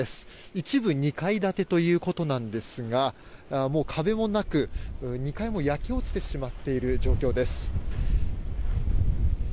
一部２階建てということなんですが壁もなく２階も焼け落ちてしまっている状況です。